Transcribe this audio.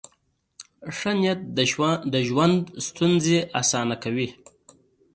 ښه نیت د ژوند ستونزې اسانه کوي.